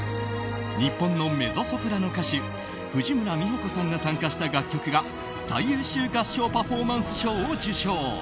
日本のメゾソプラノ歌手藤村実穂子さんが参加した楽曲が最優秀合唱パフォーマンス賞を受賞。